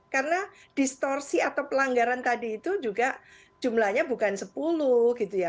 karena distorsi atau pelanggaran tadi itu juga jumlahnya bukan sepuluh gitu ya